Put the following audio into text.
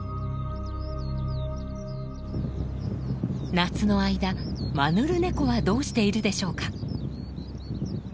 夏の間マヌルネコはどうしているでしょうか？